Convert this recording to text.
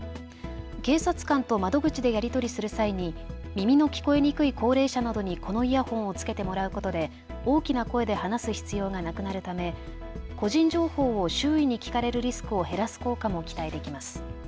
警察官と窓口でやり取りする際に耳の聞こえにくい高齢者などにこのイヤホンをつけてもらうことで大きな声で話す必要がなくなるため個人情報を周囲に聞かれるリスクを減らす効果も期待できます。